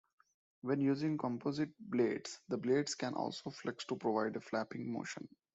When using composite blades, the blades can also flex to provide a flapping motion.